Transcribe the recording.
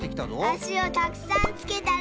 あしをたくさんつけたら。